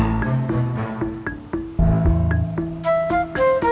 harusnya dalam hidup